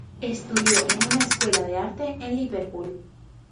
Estudió en una escuela de arte en Liverpool.